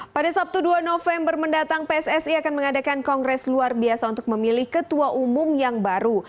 pada sabtu dua november mendatang pssi akan mengadakan kongres luar biasa untuk memilih ketua umum yang baru